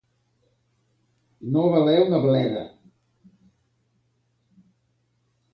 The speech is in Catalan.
No valer una bleda.